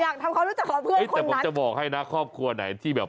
อยากทำความรู้จักของเพื่อนแต่ผมจะบอกให้นะครอบครัวไหนที่แบบ